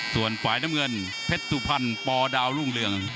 ส่วนฝ่ายน้ำเงินเพชรสุพรรณปดาวรุ่งเรือง